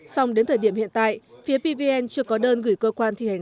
xong đến thời điểm hiện tại phía pvn chưa có đơn gửi cơ quan thi hành